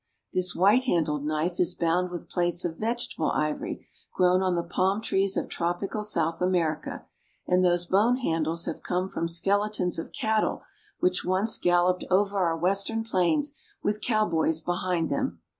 This white handled knife is bound with plates of vegetable ivory grown on the palm trees of tropical South America, and those bone handles have come from skeletons of cattle which once galloped over our Western plains with cowboys behind them.